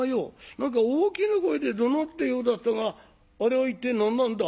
何か大きな声でどなってるようだったがあれは一体何なんだ？」。